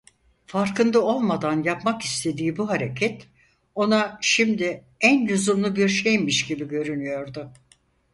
Farkında olmadan yapmak istediği bu hareket, ona şimdi en lüzumlu bir şeymiş gibi görünüyordu.